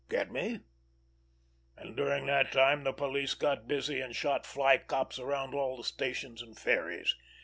Get me? And during that time the police got busy and shot flycops around all the stations and ferries.